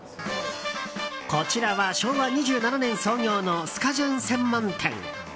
こちらは昭和２７年創業のスカジャン専門店。